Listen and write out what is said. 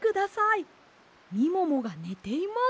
みももがねています。